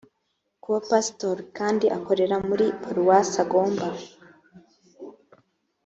bupasitori kandi akorera muri paruwase agomba